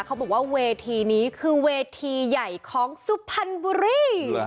เขาบอกว่าเวทีนี้คือเวทีใหญ่ของสุพรรณบุรี